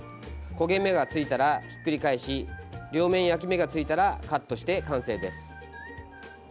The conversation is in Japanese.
焦げ目がついたらひっくり返し両面焼き目がついたらカットして完成です。